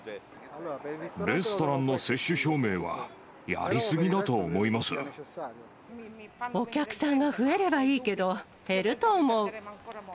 レストランの接種証明はやりお客さんが増えればいいけど、減ると思う。